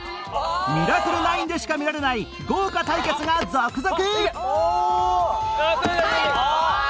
『ミラクル９』でしか見られない豪華対決が続々！